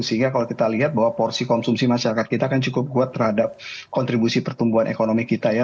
sehingga kalau kita lihat bahwa porsi konsumsi masyarakat kita kan cukup kuat terhadap kontribusi pertumbuhan ekonomi kita ya